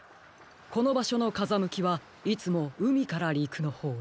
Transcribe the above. このばしょのかざむきはいつもうみからりくのほうへ？